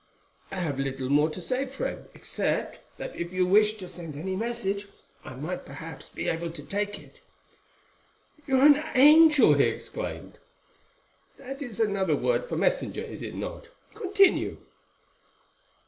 "I have little more to say, friend, except that if you wish to send any message, I might perhaps be able to take it." "You are an angel," he exclaimed. "That is another word for messenger, is it not? Continue."